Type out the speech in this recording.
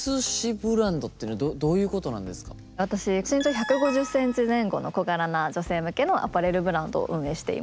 私身長１５０センチ前後の小柄な女性向けのアパレルブランドを運営しています。